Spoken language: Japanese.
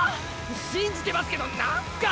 信じてますけど何すか！？